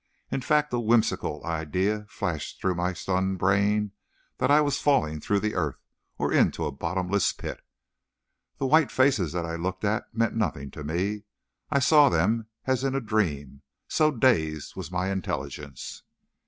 In fact, a whimsical idea flashed through my stunned brain that I was "falling through the earth," or into a bottomless pit. The white faces that I looked at meant nothing to me, I saw them as in a dream, so dazed was my intelligence.